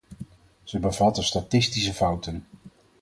Ze bevatten statistische fouten.